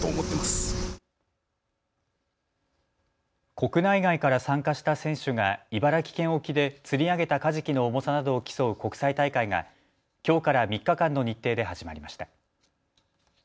国内外から参加した選手が茨城県沖で釣り上げたカジキの重さなどを競う国際大会がきょうから３日間の日程で始まりました。